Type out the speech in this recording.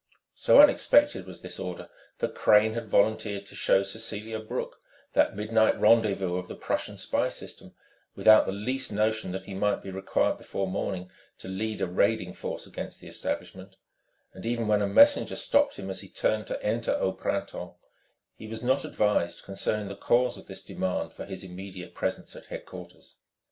So unexpected was this order that Crane had volunteered to show Cecelia Brooke that midnight rendezvous of the Prussian spy system without the least notion that he might be required before morning to lead a raiding force against the establishment; and even when a messenger stopped him as he turned to enter Au Printemps, he was not advised concerning the cause of this demand for his immediate presence at headquarters.